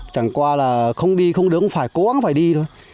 chẳng qua là không đi không đứng phải cố gắng phải đi thôi